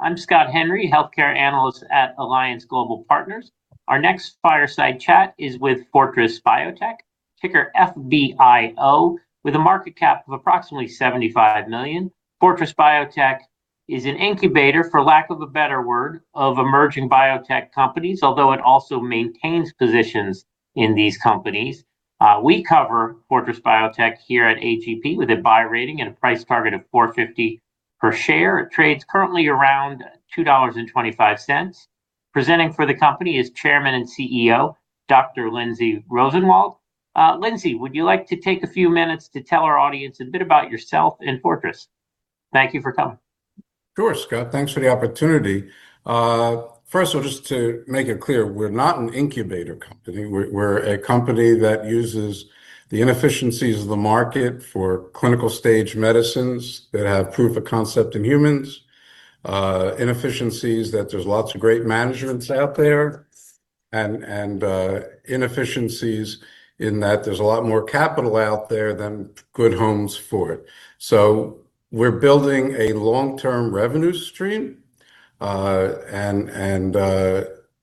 I'm Scott Henry, healthcare analyst at Alliance Global Partners. Our next fireside chat is with Fortress Biotech, ticker FBIO, with a market cap of approximately $75 million. Fortress Biotech is an incubator, for lack of a better word, of emerging biotech companies, although it also maintains positions in these companies. We cover Fortress Biotech here at AGP with a buy rating and a price target of $4.50 per share. It trades currently around $2.25. Presenting for the company is Chairman and CEO, Dr. Lindsay A. Rosenwald. Lindsay, would you like to take a few minutes to tell our audience a bit about yourself and Fortress? Thank you for coming. Sure, Scott. Thanks for the opportunity. First of all, just to make it clear, we're not an incubator company. We're a company that uses the inefficiencies of the market for clinical stage medicines that have proof of concept in humans, inefficiencies that there's lots of great managements out there, and inefficiencies in that there's a lot more capital out there than good homes for it. We're building a long-term revenue stream, and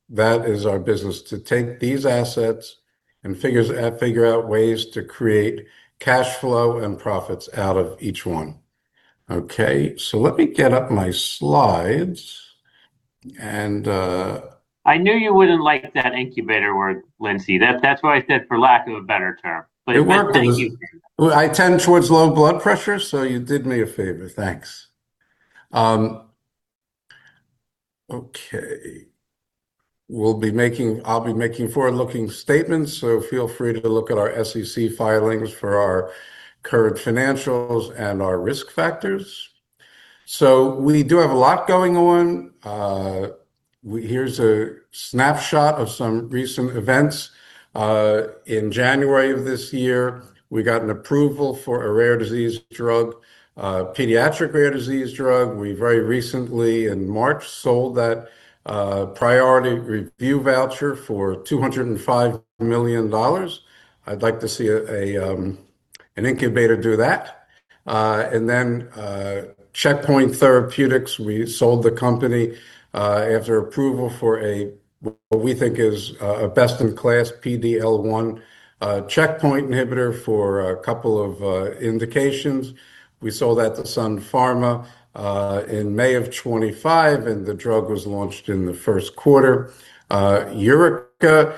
that is our business, to take these assets and figure out ways to create cash flow and profits out of each one. Okay, so let me get up my slides. I knew you wouldn't like that incubator word, Lindsay. That's why I said for lack of a better term, but thank you. It worked. I tend towards low blood pressure, so you did me a favor. Thanks. I'll be making forward-looking statements, feel free to look at our SEC filings for our current financials and our risk factors. We do have a lot going on. Here's a snapshot of some recent events. In January of this year, we got an approval for a rare disease drug, a pediatric rare disease drug. We very recently, in March, sold that priority review voucher for $205 million. I'd like to see an incubator do that. Checkpoint Therapeutics, we sold the company after approval for what we think is a best-in-class PDL1 checkpoint inhibitor for a couple of indications. We sold that to Sun Pharma in May of 2025, and the drug was launched in the first quarter. Urica,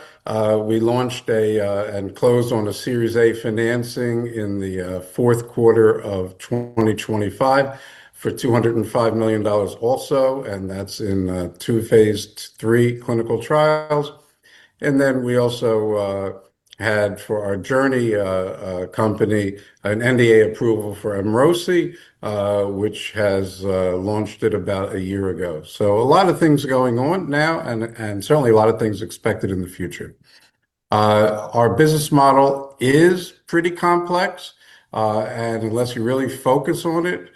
we launched and closed on a Series A financing in the fourth quarter of 2025 for $205 million also. That's in two phase III clinical trials. We also had, for our Journey, an NDA approval for Emrosi, which has launched it about one year ago. A lot of things going on now and certainly a lot of things expected in the future. Our business model is pretty complex. Unless you really focus on it,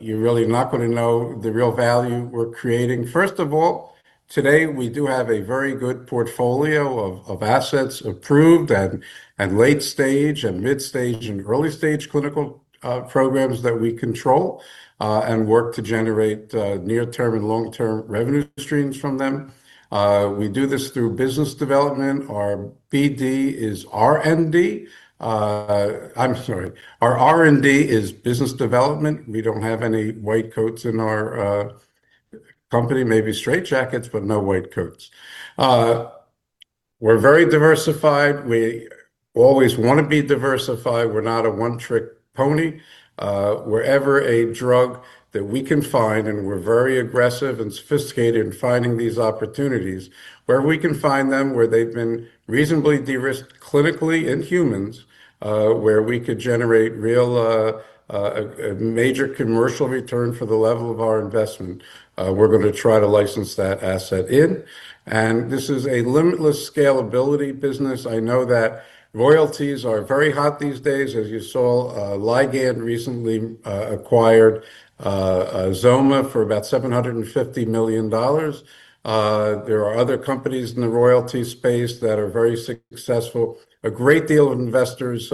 you're really not going to know the real value we're creating. First of all, today we do have a very good portfolio of assets approved and late-stage, mid-stage, and early-stage clinical programs that we control, and work to generate near-term and long-term revenue streams from them. We do this through business development. Our BD is R&D. I'm sorry, our R&D is business development. We don't have any white coats in our company. Maybe straitjackets, but no white coats. We're very diversified. We always want to be diversified. We're not a one-trick pony. Wherever a drug that we can find, and we're very aggressive and sophisticated in finding these opportunities, where we can find them, where they've been reasonably de-risked clinically in humans, where we could generate real, a major commercial return for the level of our investment, we're going to try to license that asset in. This is a limitless scalability business. I know that royalties are very hot these days. As you saw, Ligand recently acquired XOMA for about $750 million. There are other companies in the royalty space that are very successful. A great deal of investors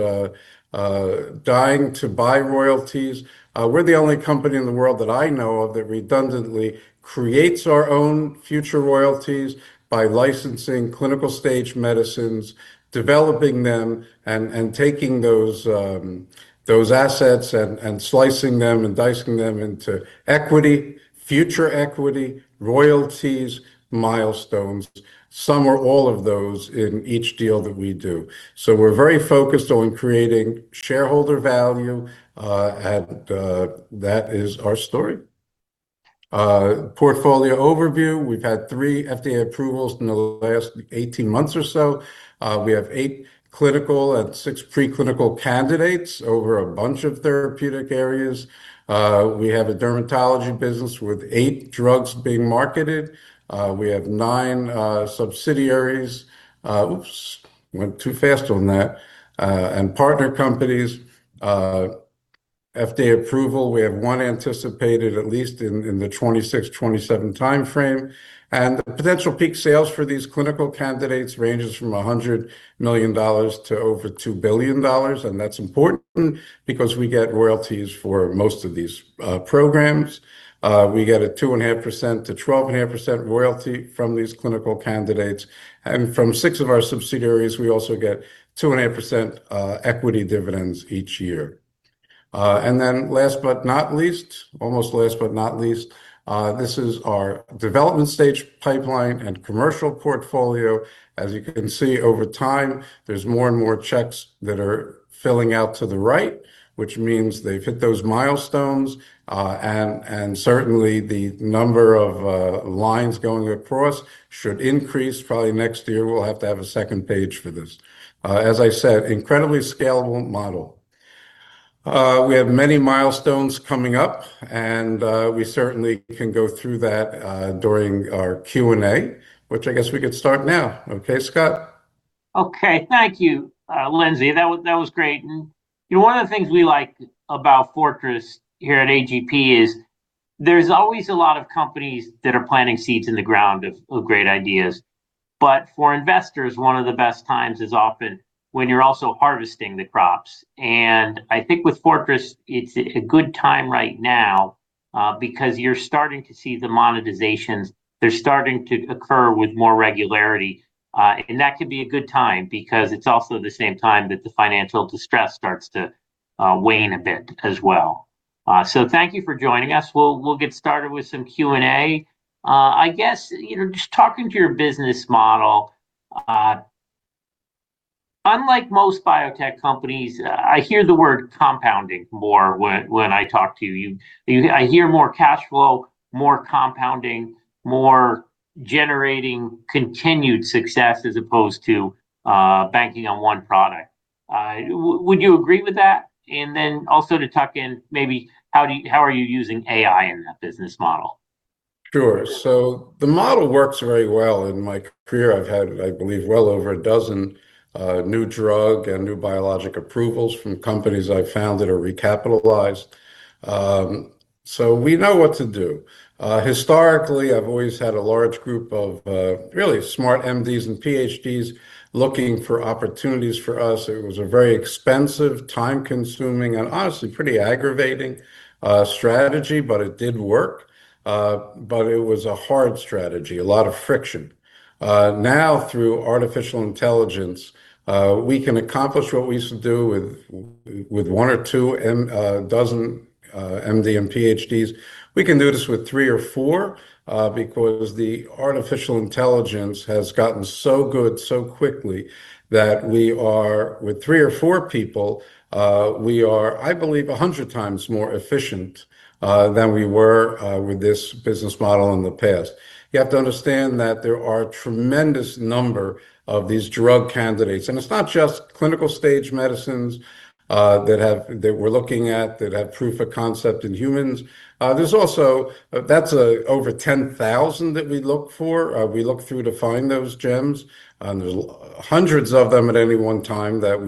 are dying to buy royalties. We're the only company in the world that I know of that redundantly creates our own future royalties by licensing clinical-stage medicines, developing them and taking those assets and slicing them and dicing them into equity, future equity, royalties, milestones, some or all of those in each deal that we do. We're very focused on creating shareholder value, and that is our story. Portfolio overview. We've had three FDA approvals in the last 18 months or so. We have eight clinical and six pre-clinical candidates over a bunch of therapeutic areas. We have a dermatology business with eight drugs being marketed. We have nine subsidiaries. Oops, went too fast on that. Partner companies-FDA approval. We have one anticipated at least in the 2026, 2027 timeframe. The potential peak sales for these clinical candidates ranges from $100 million to over $2 billion. That's important because we get royalties for most of these programs. We get a 2.5% to 12.5% royalty from these clinical candidates. From six of our subsidiaries, we also get 2.5% equity dividends each year. Last but not least, almost last but not least, this is our development stage pipeline and commercial portfolio. As you can see, over time, there's more and more checks that are filling out to the right, which means they've hit those milestones, and certainly the number of lines going across should increase. Probably next year, we'll have to have a second page for this. As I said, incredibly scalable model. We have many milestones coming up, and we certainly can go through that during our Q&A, which I guess we could start now. Okay, Scott? Okay. Thank you, Lindsay. That was great. One of the things we like about Fortress here at AGP is there's always a lot of companies that are planting seeds in the ground of great ideas. For investors, one of the best times is often when you're also harvesting the crops. I think with Fortress, it's a good time right now because you're starting to see the monetizations. They're starting to occur with more regularity. That can be a good time, because it's also the same time that the financial distress starts to wane a bit as well. Thank you for joining us. We'll get started with some Q&A. I guess, just talking to your business model, unlike most biotech companies, I hear the word compounding more when I talk to you. I hear more cash flow, more compounding, more generating continued success as opposed to banking on one product. Would you agree with that? Also to tuck in maybe how are you using AI in that business model? Sure. The model works very well. In my career, I've had, I believe, well over a dozen new drug and new biologic approvals from companies I've founded or recapitalized. We know what to do. Historically, I've always had a large group of really smart MDs and PhDs looking for opportunities for us. It was a very expensive, time-consuming, and honestly pretty aggravating strategy, but it did work. It was a hard strategy, a lot of friction. Now through artificial intelligence, we can accomplish what we used to do with one or two dozen MD and PhDs. We can do this with three or four, because the artificial intelligence has gotten so good so quickly that we are, with three or four people, we are, I believe, 100 times more efficient than we were with this business model in the past. You have to understand that there are a tremendous number of these drug candidates. It's not just clinical stage medicines that we're looking at that have proof of concept in humans. That's over 10,000 that we look for, we look through to find those gems. And there's hundreds of them at any one time that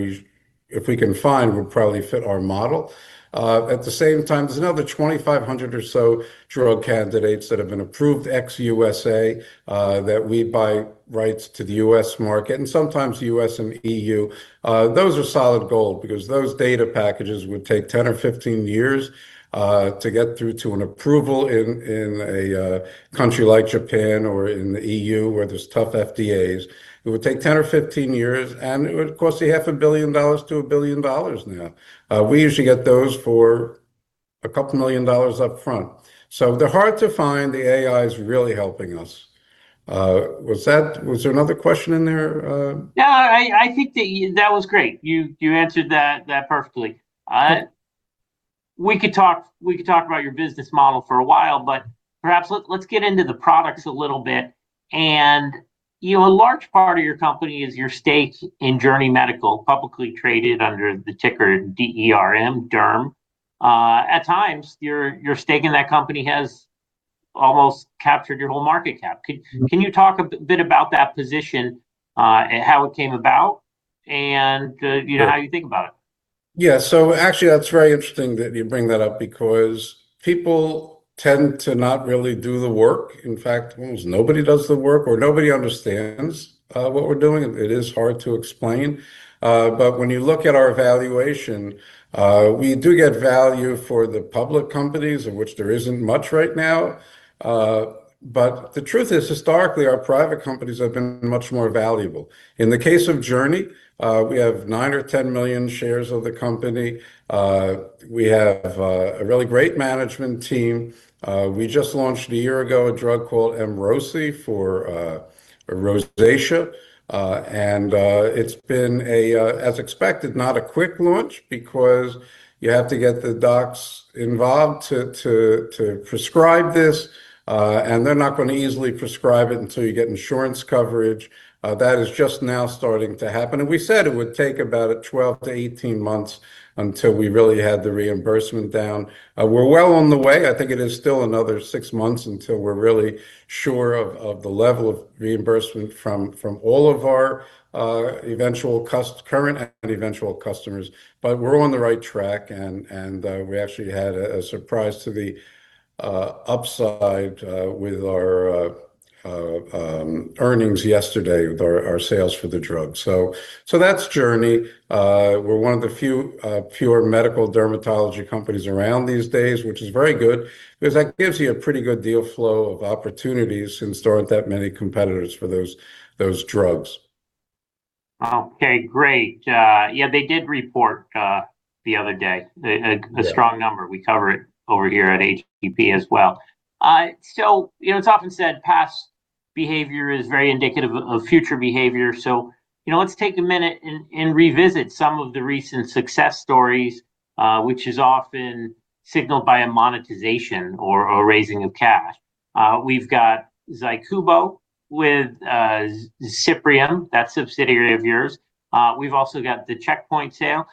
if we can find, would probably fit our model. At the same time, there's another 2,500 or so drug candidates that have been approved ex-USA, that we buy rights to the U.S. market, and sometimes U.S. and EU. Those are solid gold, because those data packages would take 10 or 15 years, to get through to an approval in a country like Japan or in the EU where there's tough FDAs. It would take 10 or 15 years, and it would cost you $500 million to $1 billion now. We usually get those for a couple million dollars upfront. They're hard to find. The AI is really helping us. Was there another question in there? I think that was great. You answered that perfectly. We could talk about your business model for a while, but perhaps let's get into the products a little bit. A large part of your company is your stake in Journey Medical, publicly traded under the ticker D-E-R-M, DERM. At times, your stake in that company has almost captured your whole market cap. Can you talk a bit about that position, and how it came about? Sure How you think about it? Yeah, actually that's very interesting that you bring that up because people tend to not really do the work. In fact, most nobody does the work or nobody understands what we're doing, and it is hard to explain. When you look at our valuation, we do get value for the public companies in which there isn't much right now. The truth is, historically, our private companies have been much more valuable. In the case of Journey, we have nine or 10 million shares of the company. We have a really great management team. We just launched a year ago a drug called Emrosi for rosacea. It's been, as expected, not a quick launch because you have to get the docs involved to prescribe this. They're not going to easily prescribe it until you get insurance coverage. That is just now starting to happen. We said it would take about 12-18 months until we really had the reimbursement down. We're well on the way. I think it is still another six months until we're really sure of the level of reimbursement from all of our current and eventual customers. We're on the right track, and we actually had a surprise to the upside with our earnings yesterday with our sales for the drug. That's Journey. We're one of the fewer medical dermatology companies around these days, which is very good, because that gives you a pretty good deal flow of opportunities since there aren't that many competitors for those drugs. Okay, great. They did report the other day. Yeah. A strong number. We cover it over here at AGP as well. It's often said past behavior is very indicative of future behavior. Let's take a minute and revisit some of the recent success stories, which is often signaled by a monetization or raising of cash. We've got ZYCUBO with Cyprium, that subsidiary of yours. We've also got the Checkpoint sale.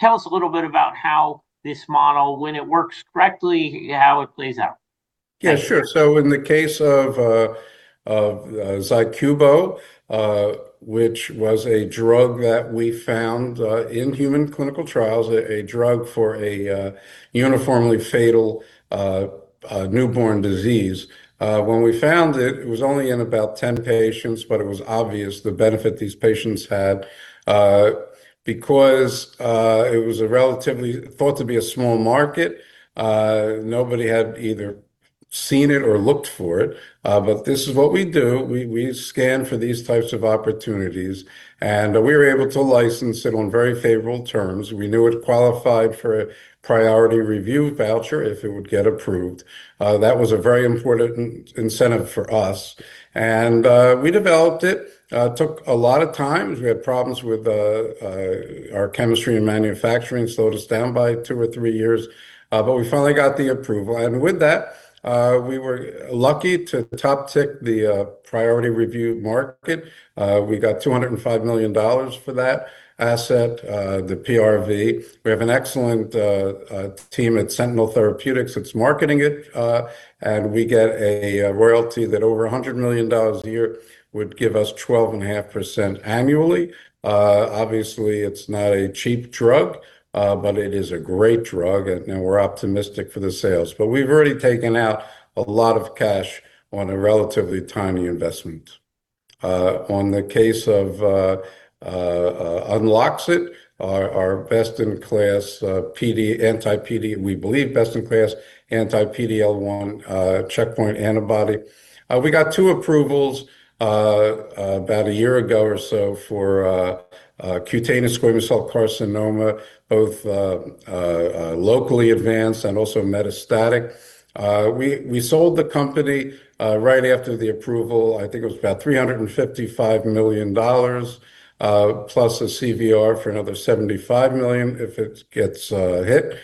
Tell us a little bit about how this model, when it works correctly, how it plays out. Yeah, sure. In the case of ZYCUBO, which was a drug that we found in human clinical trials, a drug for a uniformly fatal newborn disease. When we found it was only in about 10 patients, but it was obvious the benefit these patients had. Because it was relatively thought to be a small market, nobody had either seen it or looked for it. This is what we do. We scan for these types of opportunities, and we were able to license it on very favorable terms. We knew it qualified for a priority review voucher if it would get approved. That was a very important incentive for us. We developed it, took a lot of time. We had problems with our chemistry and manufacturing, slowed us down by two or three years. We finally got the approval. With that, we were lucky to top tick the priority review market. We got $205 million for that asset, the PRV. We have an excellent team at Sentynl Therapeutics that's marketing it. We get a royalty that over $100 million a year would give us 12.5% annually. Obviously, it's not a cheap drug, but it is a great drug, and we're optimistic for the sales. We've already taken out a lot of cash on a relatively tiny investment. On the case of UNLOXCYT, our best-in-class anti-PD, we believe best-in-class anti-PD-L1 checkpoint antibody. We got two approvals about a year ago or so for cutaneous squamous cell carcinoma, both locally advanced and also metastatic. We sold the company right after the approval. I think it was about $355 million, plus a CVR for another $75 million if it gets hit.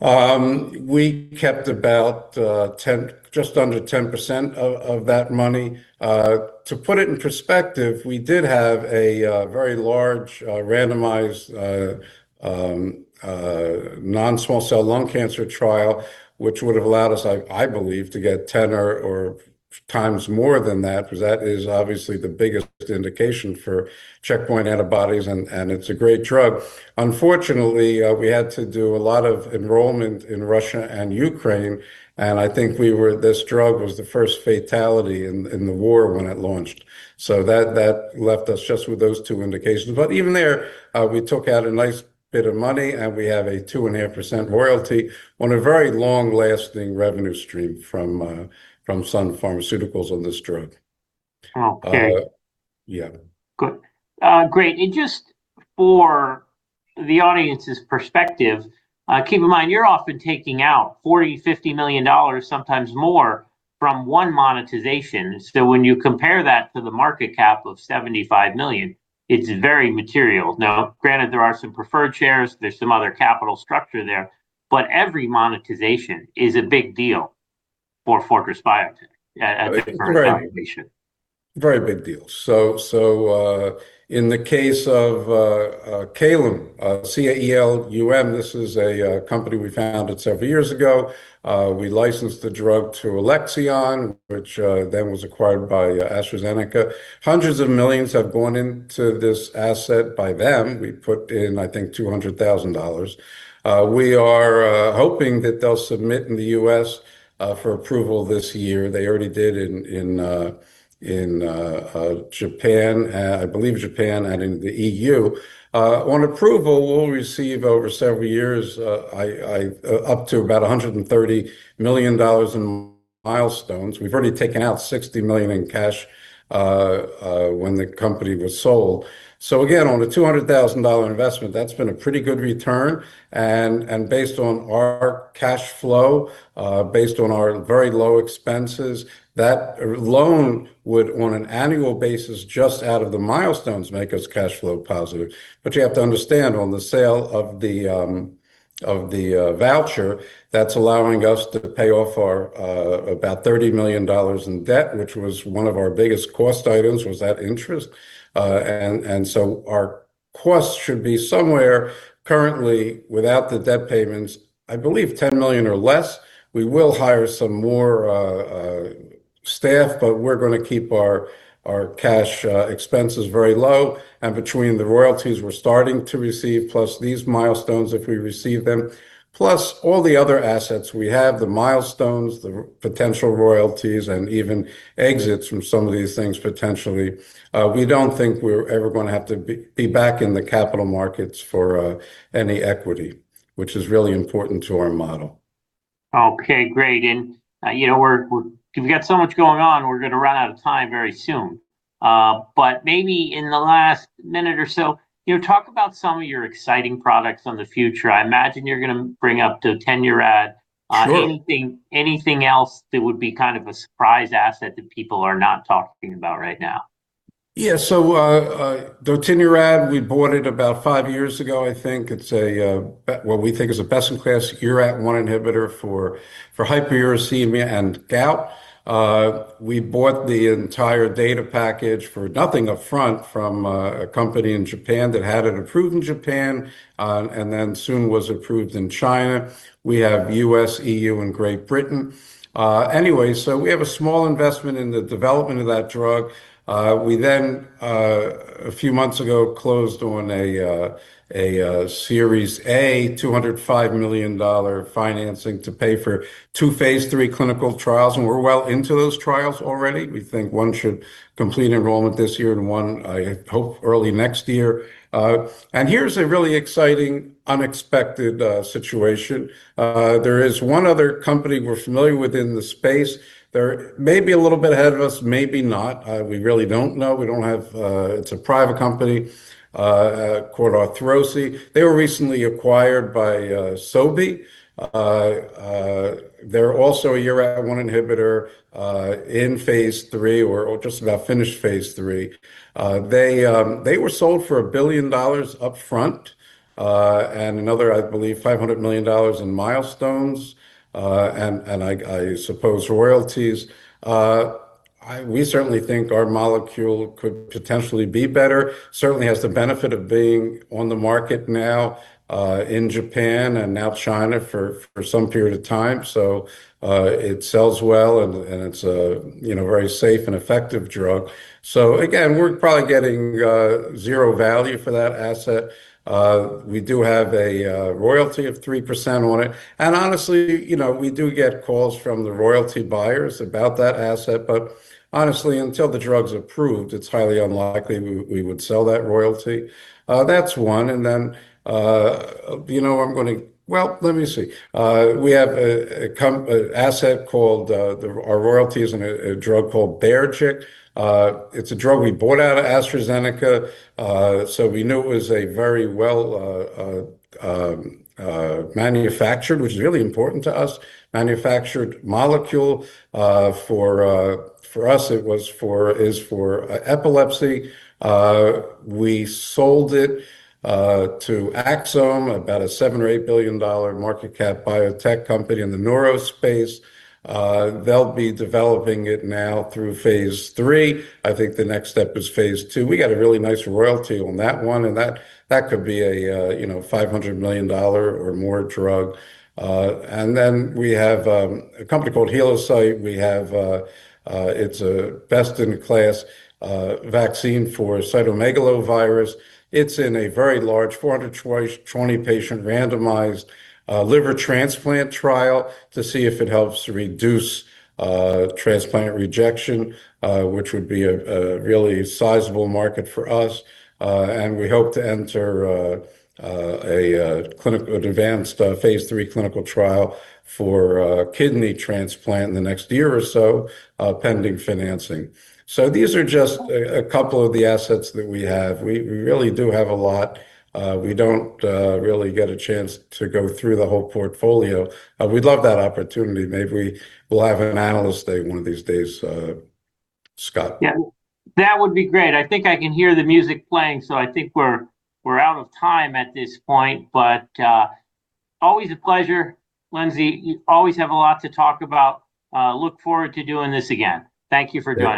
We kept about just under 10% of that money. To put it in perspective, we did have a very large randomized, non-small cell lung cancer trial, which would've allowed us, I believe, to get 10 or times more than that, because that is obviously the biggest indication for checkpoint antibodies, and it's a great drug. Unfortunately, we had to do a lot of enrollment in Russia and Ukraine, I think this drug was the first fatality in the war when it launched. That left us just with those two indications. Even there, we took out a nice bit of money, and we have a 2.5% royalty on a very long-lasting revenue stream from Sun Pharmaceuticals on this drug. Good. Great. Just for the audience's perspective, keep in mind, you're often taking out $40, $50 million, sometimes more from one monetization. When you compare that to the market cap of $75 million, it's very material. Now, granted, there are some preferred shares, there's some other capital structure there, but every monetization is a big deal for Fortress Biotech at the current valuation. Very big deal. In the case of Caelum, C-A-E-L-U-M, this is a company we founded several years ago. We licensed the drug to Alexion, which then was acquired by AstraZeneca. $hundreds of millions have gone into this asset by them. We put in, I think, $200,000. We are hoping that they'll submit in the U.S. for approval this year. They already did in Japan, I believe Japan, and in the EU. On approval, we'll receive over several years up to about $130 million in milestones. We've already taken out $60 million in cash when the company was sold. Again, on the $200,000 investment, that's been a pretty good return. Based on our cash flow, based on our very low expenses, that loan would, on an annual basis, just out of the milestones, make us cash flow positive. You have to understand on the sale of the voucher, that's allowing us to pay off our about $30 million in debt, which was one of our biggest cost items was that interest. Our cost should be somewhere currently without the debt payments, I believe $10 million or less. We will hire some more staff, but we're going to keep our cash expenses very low. Between the royalties we're starting to receive, plus these milestones, if we receive them, plus all the other assets we have, the milestones, the potential royalties, and even exits from some of these things, potentially. We don't think we're ever going to have to be back in the capital markets for any equity, which is really important to our model. Okay, great. We've got so much going on, we're going to run out of time very soon. Maybe in the last minute or so, talk about some of your exciting products on the future. I imagine you're going to bring up dotinurad. Sure. Anything else that would be a surprise asset that people are not talking about right now? Yeah. Dotinurad, we bought it about five years ago, I think. It's what we think is a best-in-class URAT1 inhibitor for hyperuricemia and gout. We bought the entire data package for nothing upfront from a company in Japan that had it approved in Japan, and then soon was approved in China. We have U.S., EU and Great Britain. Anyway, we have a small investment in the development of that drug. We then, a few months ago, closed on a Series A, $205 million financing to pay for two phase III clinical trials, and we're well into those trials already. We think one should complete enrollment this year and one, I hope, early next year. Here's a really exciting, unexpected situation. There is one other company we're familiar with in the space. They're maybe a little bit ahead of us, maybe not. We really don't know. It's a private company, called Arthrosi. They were recently acquired by Sobi. They're also a URAT1 inhibitor in phase III, or just about finished phase III. They were sold for $1 billion upfront, another, I believe, $500 million in milestones, and I suppose royalties. We certainly think our molecule could potentially be better. Certainly has the benefit of being on the market now, in Japan and now China for some period of time. It sells well and it's a very safe and effective drug. Again, we're probably getting zero value for that asset. We do have a royalty of 3% on it. Honestly, we do get calls from the royalty buyers about that asset. Honestly, until the drug's approved, it's highly unlikely we would sell that royalty. That's one. Well, let me see. We have an asset called, our royalty is in a drug called Baergic. It's a drug we bought out of AstraZeneca. We knew it was a very well manufactured, which is really important to us, manufactured molecule. For us, it is for epilepsy. We sold it to Axsome, about a $7 or $8 billion market cap biotech company in the neuro space. They'll be developing it now through phase III. I think the next step is phase II. We got a really nice royalty on that one, and that could be a $500 million or more drug. Then we have a company called Helocyte. It's a best-in-class vaccine for cytomegalovirus. It's in a very large, 420-patient randomized liver transplant trial to see if it helps reduce transplant rejection, which would be a really sizable market for us. We hope to enter an advanced phase III clinical trial for kidney transplant in the next year or so, pending financing. These are just a couple of the assets that we have. We really do have a lot. We don't really get a chance to go through the whole portfolio. We'd love that opportunity. Maybe we'll have an analyst day one of these days, Scott. That would be great. I think I can hear the music playing, so I think we're out of time at this point. Always a pleasure, Lindsay. You always have a lot to talk about. Look forward to doing this again. Thank you for joining us.